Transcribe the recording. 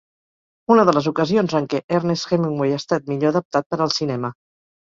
Una de les ocasions en què Ernest Hemingway ha estat millor adaptat per al cinema.